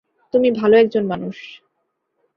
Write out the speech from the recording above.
তুমি ভালো একজন মানুষ।